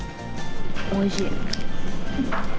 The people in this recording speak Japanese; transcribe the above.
おいしい。